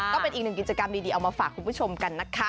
ก็เป็นอีกหนึ่งกิจกรรมดีเอามาฝากคุณผู้ชมกันนะคะ